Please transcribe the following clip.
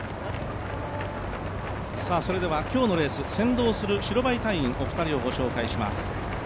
今日のレース、先導する白バイ隊員お二人をご紹介します。